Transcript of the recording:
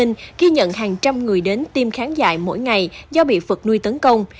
ghi nhận hàng trăm người đến tiêm kháng dại mỗi ngày do bị vật nuôi tấn công